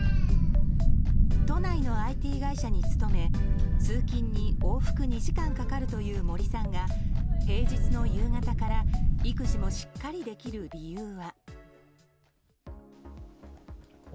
都内のＩＴ会社に勤め通勤に往復２時間かかるという森さんが平日の夕方から育児もしっかりできる理由は。